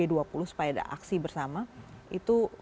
supaya ada aksi bersama itu